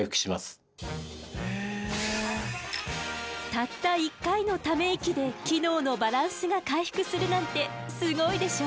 たった１回のため息で機能のバランスが回復するなんてすごいでしょ！